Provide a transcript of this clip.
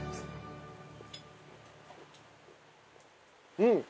うん！